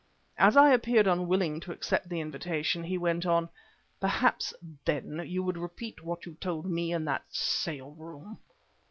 As I appeared unwilling to accept the invitation, he went on: "Perhaps, then, you would repeat what you told me in that sale room?"